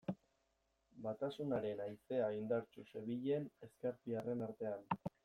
Batasunaren haizea indartsu zebilen ezkertiarren artean.